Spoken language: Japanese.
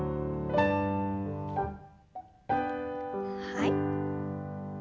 はい。